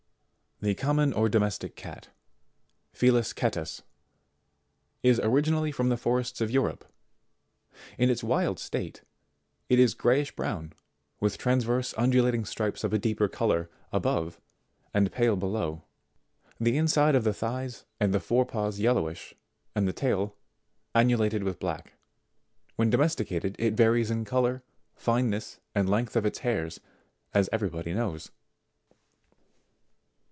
78'. The Common or Domestic Cat, Felis Catus, is origin ally from the forests of Europe. In its wild state, it is grayish brown, with transverse undulating stripes of a deeper colour above, and pale below ; the inside of the thighs and the four paws yellowish, and the tail annulated with black. When domesticated it varies in the colour, fineness, and length of its hairs, as every body knows.